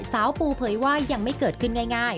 สาวปูเผยว่ายังไม่เกิดขึ้นง่าย